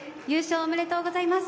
おめでとうございます。